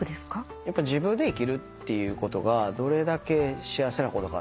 やっぱ自分で生きるっていうことがどれだけ幸せなことかっていう。